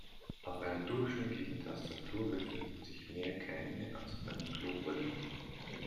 Auf einer durchschnittlichen Tastatur befinden sich mehr Keime als auf einer Klobrille.